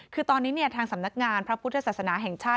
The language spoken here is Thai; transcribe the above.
คือตอนนี้ทางสำนักงานพระพุทธศาสนาแห่งชาติ